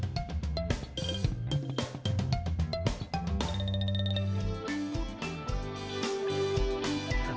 ผ้าสีขนมจีน